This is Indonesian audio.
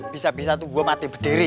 bisa bisa tuh gua mati berdiri